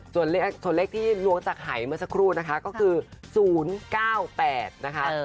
ส่วนเลขที่ล้วงจากหายเมื่อสักครู่นะคะก็คือ๐๙๘นะคะ